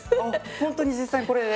ほんとに実際にこれで？